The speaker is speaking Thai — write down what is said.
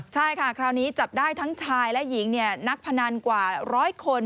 ใช่ค่ะคราวนี้จับได้ทั้งชายและหญิงนักพนันกว่าร้อยคน